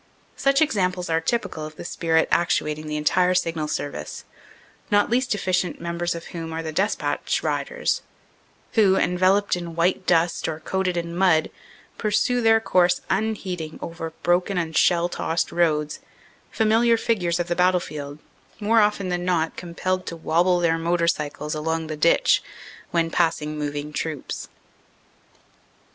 Such examples are typical of the spirit actuating the entire Signal Service, not least effi cient members of whom are the despatch riders, who enveloped in white dust or coated in mud, pursue their course unheeding over broken and shell tossed roads, familiar figures of the battlefield, more often than not compelled to wobble their motor cycles along the ditch when passing moving troops.